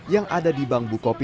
yang akan diperlukan oleh nasabah